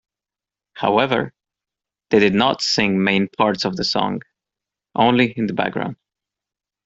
However, they did not sing main parts of the song, only in the background.